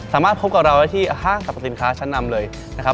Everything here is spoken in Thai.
สามารถพบกับเราที่๕สัตว์สินค้าชั้นนำเลยนะครับ